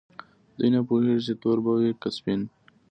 دوی نه پوهیږي چې تور به وي که سپین.